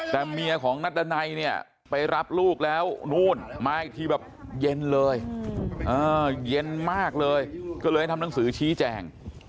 แต่เมียของนัดดันัยเนี่ยไปรับลูกแล้วนู่นมาอีกทีแบบเย็นเลยเย็นมากเลยก็เลยทำหนังสือชี้แจง